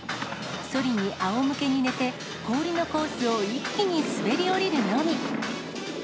そりにあおむけに寝て、氷のコースを一気に滑り降りるのみ。